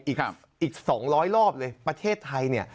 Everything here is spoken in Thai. อีก๒๐๐รอบเลยประเทศไทยเนี่ย